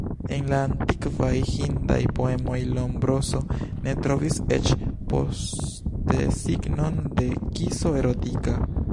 En la antikvaj Hindaj poemoj Lombroso ne trovis eĉ postesignon de kiso erotika.